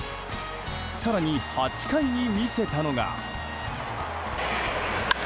更に８回に見せたのが。